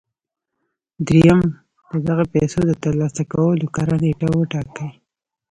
درېيم د دغو پيسو د ترلاسه کولو کره نېټه وټاکئ.